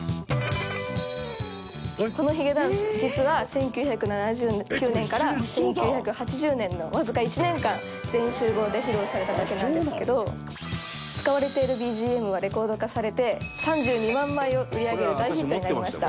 「このヒゲダンス実は１９７９年から１９８０年のわずか１年間『全員集合』で披露されただけなんですけど使われているＢＧＭはレコード化されて３２万枚を売り上げる大ヒットになりました」